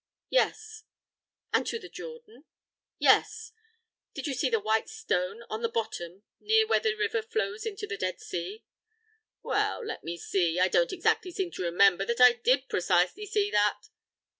"Yes." "And to the Jordan?" "Yes." "Did you see the white stone on the bottom near where the river flows into the Dead Sea?" "Well let me see! I don't exactly seem to remember that I did precisely see that."